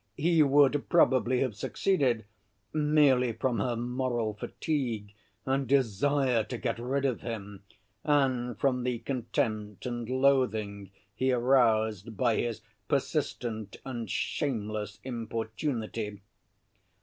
He would probably have succeeded, merely from her moral fatigue and desire to get rid of him, and from the contempt and loathing he aroused by his persistent and shameless importunity.